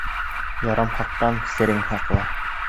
Ярамһаҡтан серең һаҡла.